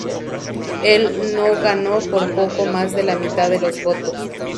El "No" ganó por poco más de la mitad de los votos.